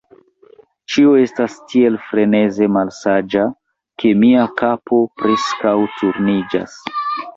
Ĉio estas tiel freneze malsaĝa, ke mia kapo preskaŭ turniĝas.